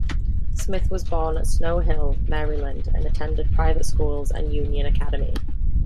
Smith was born at Snow Hill, Maryland, and attended private schools and Union Academy.